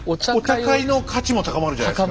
お茶会の価値も高まるじゃないですか。